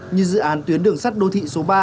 như dự án tuyến đường sắt đô thị số ba